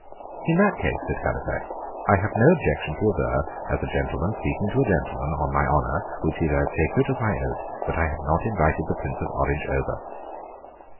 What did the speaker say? "In that case," said Halifax, "I have no objection to aver, as a gentleman speaking to a gentleman, on my honour, which is as sacred as my oath, that I have not invited the Prince of Orange over."